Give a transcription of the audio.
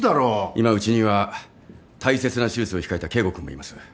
今うちには大切な手術を控えた圭吾君もいます。